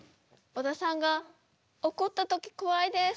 小田さんが怒った時怖いです。